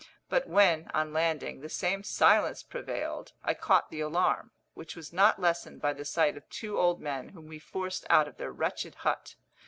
But when, on landing, the same silence prevailed, I caught the alarm, which was not lessened by the sight of two old men whom we forced out of their wretched hut.